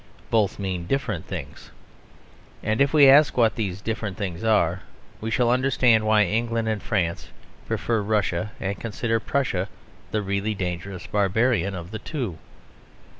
Both mean different things. And if we ask what these different things are, we shall understand why England and France prefer Russia; and consider Prussia the really dangerous barbarian of the two.